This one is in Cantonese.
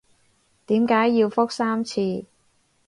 點解要覆三次？